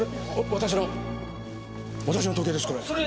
私の時計ですこれ。